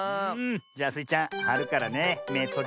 じゃあスイちゃんはるからねめとじててね。